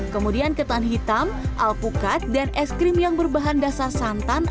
kemudian ketan hitam alpukat dan es krim yang berbahan dasar santan